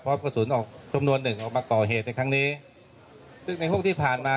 เพราะกระสุนออกจำนวนหนึ่งออกมาก่อเหตุในครั้งนี้ซึ่งในหกที่ผ่านมา